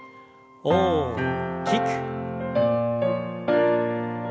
大きく。